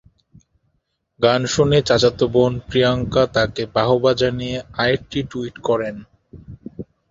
গান শুনে চাচাতো বোন প্রিয়াঙ্কা তাঁকে বাহবা জানিয়ে আরেকটি টুইট করেন।